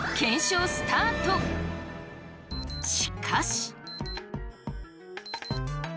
しかし。